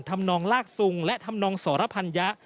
ธรรมนองลากสุงและธรรมนองสรพัญญะ